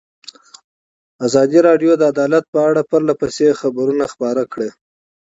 ازادي راډیو د عدالت په اړه پرله پسې خبرونه خپاره کړي.